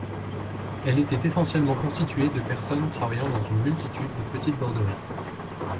Elle était essentiellement constituée de personnes travaillant dans une multitude de petites borderies.